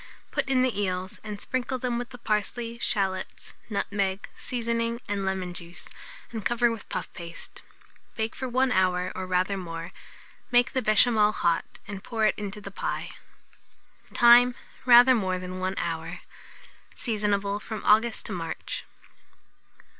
Put in the eels, and sprinkle them with the parsley, shalots, nutmeg, seasoning, and lemon juice, and cover with puff paste. Bake for 1 hour, or rather more; make the béchamel hot, and pour it into the pie. Time. Rather more than 1 hour. Seasonable from August to March.